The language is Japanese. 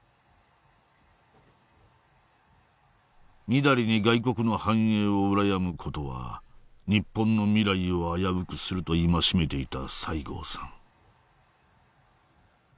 みだりに外国の繁栄を羨む事は日本の未来を危うくするといましめていた西郷さん